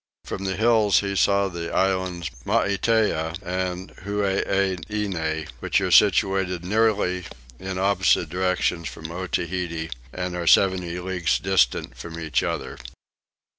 From the hills he saw the islands Maitea and Huaheine, which are situated nearly in opposite directions from Otaheite and are 70 leagues distant from each other.